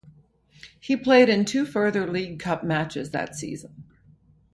He played in two further League Cup matches that season.